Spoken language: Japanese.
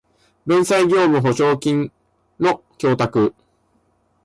弁済業務保証金の供託